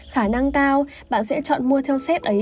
khả năng cao bạn sẽ chọn mua theo xét ấy